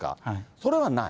それはない？